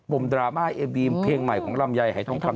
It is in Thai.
ดราม่าเอบีมเพลงใหม่ของลำไยหายทองคำ